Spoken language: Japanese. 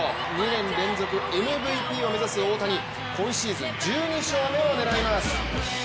２年連続ＭＶＰを目指す大谷、今シーズン１２勝目を狙います。